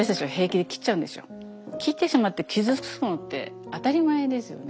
切ってしまって傷つくのって当たり前ですよね。